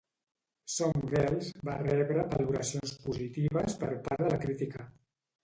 "Some Girls" va rebre valoracions positives per part de la crítica.